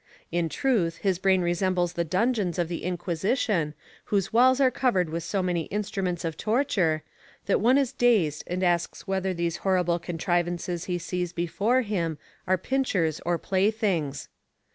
In truth, his brain resembles the dungeons of the Inquisition whose walls are covered with so many instruments of torture, that one is dazed and asks whether these horrible contrivances he sees before him are pincers or playthings.